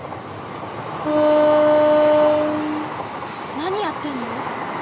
何やってんの？